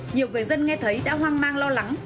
nhiều người dân nghe thấy đã hoang mang lo lắng